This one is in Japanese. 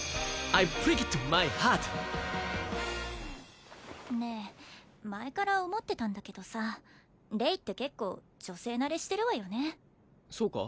’ｖｅｐｒｉｃｋｅｄｍｙｈｅａｒｔねえ前から思ってたんだけどさレイって結構女性慣れしてるわよねそうか？